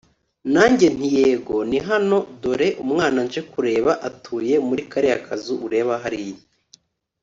nanjye nti yego nihano dore umwana nje kureba atuye muri kariya kazu ureba hariya